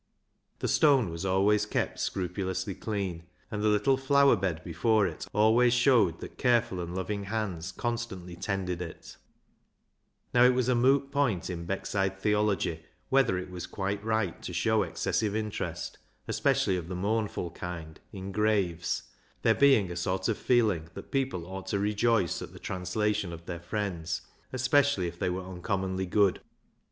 The stone was always kept scrupulously clean, and the little flower bed before it always showed that careful and loving hands constantly tended it. 213 BECKSIDE LIGHTS Now, it was a moot point in Beckside theology whether it was quite right to show excessive interest, especially of the mournful kind, in graves, there being a sort of feeling that people ought to rejoice at the translation of their friends, especially if they were uncommonly good.